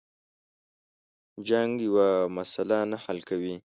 جنگ یوه مسله نه حل کوي.